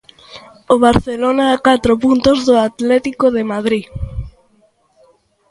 O Barcelona, a catro puntos do Atlético de Madrid.